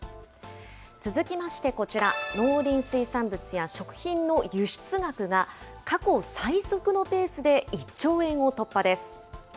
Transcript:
続きましてこちら、農林水産物や食品の輸出額が、過去最速のペースで１兆円を突破です。